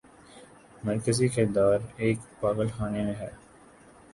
مرکزی کردار ایک پاگل خانے میں ہے۔